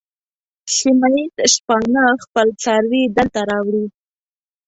سیمه ییز شپانه خپل څاروي دلته راوړي.